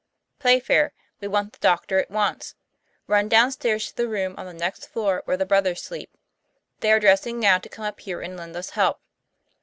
"Playfair, we want the doctor at once. Run down stairs to the room on the next floor where the brothers sleep. They are dressing now to come up here and lend us help.